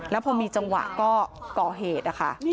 แล้วพอมีจังหวะก็ก่อเหตุนะคะ